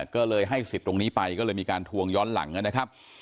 ก็เลยให้สิทธิ์ตรงนี้ไปก็เลยมีการทวงย้อนหลังนะครับ